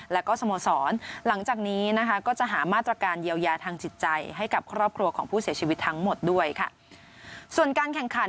แล้วก็สโมสรหลังจากนี้นะคะก็จะหามาตรการเยียวยาทางจิตใจให้กับครอบครัวของผู้เสียชีวิตทั้งหมดด้วยค่ะส่วนการแข่งขัน